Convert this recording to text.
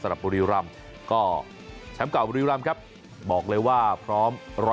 สำหรับบุรีรัมก็แชมป์เก่าบุรีรัมครับบอกเลยว่าพร้อม๑๐๐